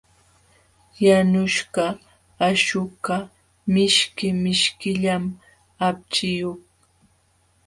Yanuśhqa akśhukaq mishki mishkillam hapchiyuq.